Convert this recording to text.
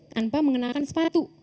tanpa mengenalkan sepatu